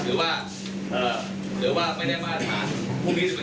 หรือว่าเอ่อเหรอว่าไม่ได้บ้านสถานพวกนี้จะเป็นทีหมดนะครับ